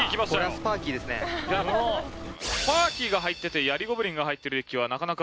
スパーキーが入ってて槍ゴブリンが入ってるデッキはなかなか。